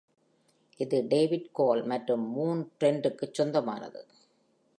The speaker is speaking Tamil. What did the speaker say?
இது David Cole மற்றும் Moon Trent-ற்குச் சொந்தமானது.